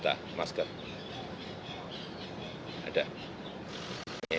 aret perogi dan lain lain